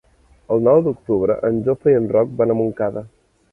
El nou d'octubre en Jofre i en Roc van a Montcada.